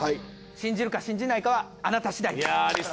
信じるか信じないかはあなた次第です。